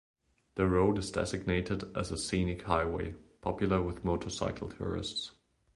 The road is designated as a scenic highway, popular with motorcycle tourists.